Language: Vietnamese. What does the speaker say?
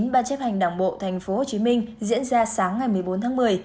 ban chấp hành đảng bộ tp hcm diễn ra sáng ngày một mươi bốn tháng một mươi